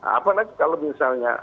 apalagi kalau misalnya